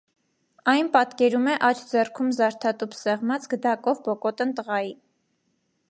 Այն պատկերում է աջ ձեռքում զարդատուփ սեղմած գդակով բոկոտն տղայի։